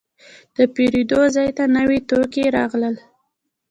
د پیرود ځای ته نوي توکي راغلل.